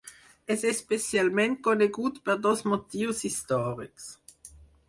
És especialment conegut per dos motius històrics.